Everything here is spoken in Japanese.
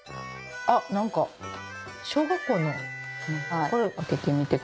あっ何か小学校の。